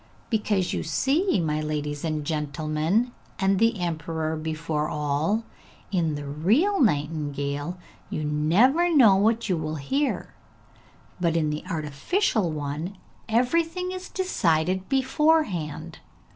'Because you see, my ladies and gentlemen, and the emperor before all, in the real nightingale you never know what you will hear, but in the artificial one everything is decided beforehand!